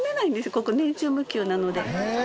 ここ年中無休なので。